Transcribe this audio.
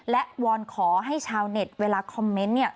และวอนขอให้ชาวเน็ตเวลาคอมเมนต์